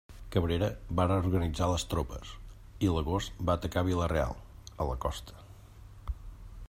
Cabrera va reorganitzar les tropes, i l'agost va atacar Vila-real, a la costa.